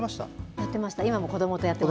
やってました？